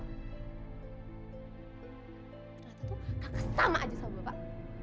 ternyata tuh kakak sama aja sama bapak